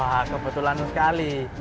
wah kebetulan sekali